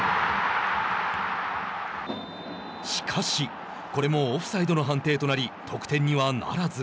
しかも、これもオフサイドの判定となり得点にはならず。